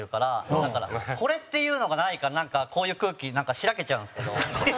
だからこれっていうのがないからこういう空気に、なんかしらけちゃうんですけど。